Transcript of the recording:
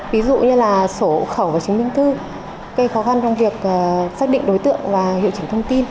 ví dụ như là sổ khẩu và chứng minh thư cây khó khăn trong việc xác định đối tượng và hiệu chỉnh thông tin